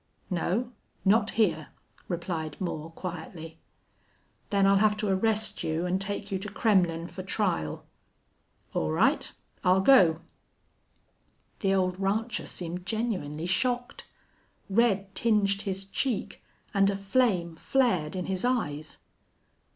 "No. Not here," replied Moore, quietly. "Then I'll have to arrest you an' take you to Kremmlin' fer trial." "All right. I'll go." The old rancher seemed genuinely shocked. Red tinged his cheek and a flame flared in his eyes.